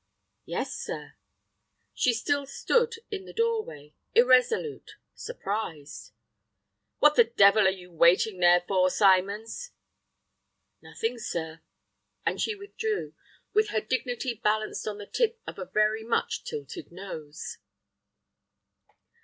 "Yes, sir." She still stood in the doorway, irresolute, surprised. "What the devil are you waiting there for, Symons?" "Nothing, sir." And she withdrew, with her dignity balanced on the tip of a very much tilted nose.